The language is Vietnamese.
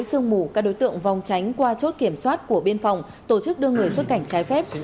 sương mù các đối tượng vòng tránh qua chốt kiểm soát của biên phòng tổ chức đưa người xuất cảnh trái phép